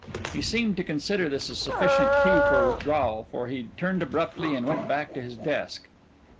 He seemed to consider this a sufficient cue for withdrawal, for he turned abruptly and went back to his desk.